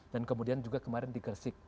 dan kemudian juga kemarin di gelsik